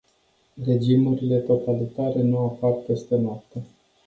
Regimurile totalitare nu apar peste noapte.